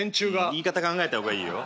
言い方考えた方がいいよ。